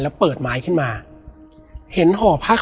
แล้วสักครั้งหนึ่งเขารู้สึกอึดอัดที่หน้าอก